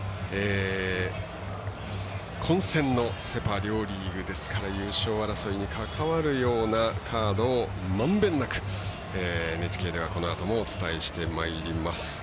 混戦のセ・パ両リーグですから優勝争いに関わるようなカードをまんべんなくＮＨＫではこのあともお伝えしてまいります。